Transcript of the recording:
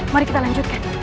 mari kita lanjutkan